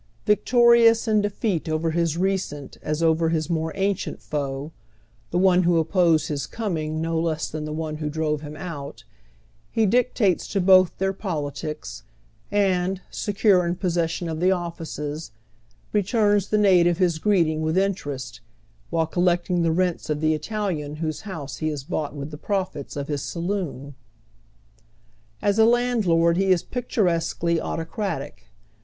Victorious iu defeat over his recent as over his more ancient foe, the one who opposed his coming no less than the one who drove him out, he dictates to both their politics, and, secure in possession of the offices, returns tlie native his greeting with interest, while collecting the rents of the Italian whose house he has bought with tlie profits of his saloon. As a landlord he is picturesquely autocratic.